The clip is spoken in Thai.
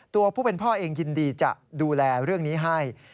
ตัวผู้เป็นพ่อเองยินดีจะดูแลเรื่องนี้ให้